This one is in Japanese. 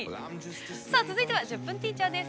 さあ、続いては「１０分ティーチャー」です。